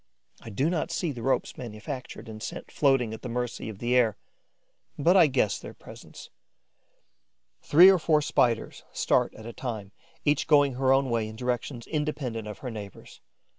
I do not see the ropes manufactured and sent floating at the mercy of the air; but I guess their presence. Three or four Spiders start at a time, each going her own way in directions independent of her neighbours'.